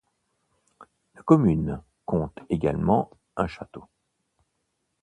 La commune compte également un château.